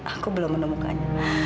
aku belum menemukannya